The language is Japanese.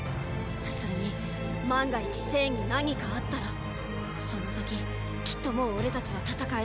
それに万が一政に何かあったらその先きっともうオレたちは戦えない。